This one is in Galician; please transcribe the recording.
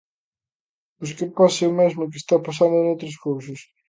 Pois que pase o mesmo que está pasando noutras cousas.